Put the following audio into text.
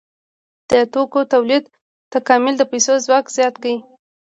د توکو تولید تکامل د پیسو ځواک زیات کړ.